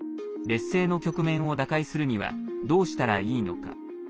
劣勢の局面を打開するにはどうしたらいいのか。